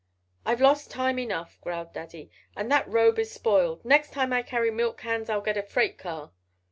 "I've lost time enough," growled Daddy. "And that robe is spoiled. Next time I carry milk cans I'll get a freight car."